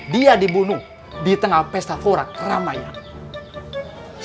dia dibunuh di tengah pesta forat ramai ramai